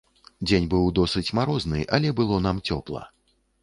Дзень быў досыць марозны, але было нам цёпла.